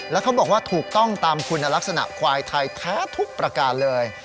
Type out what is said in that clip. แล้วเขาบอกว่าถูกต้องตามคุณลักษณะควายไทยแท้ทุกประการเลย